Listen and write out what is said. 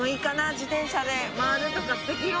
自転車でまわるとかすてきよ。